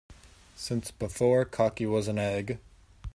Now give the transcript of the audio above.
Since before cocky was an egg.